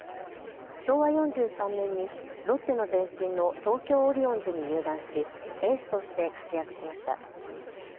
昭和４３年にロッテの前身の東京オリオンズに入団しエースとして活躍しました。